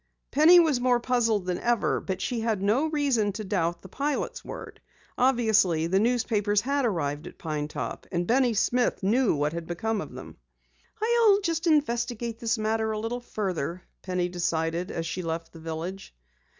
Penny was more puzzled than ever, but she had no reason to doubt the pilot's word. Obviously, the newspapers had arrived at Pine Top, and Benny Smith knew what had become of them. "I'll just investigate this matter a little further," Penny decided as she left the village.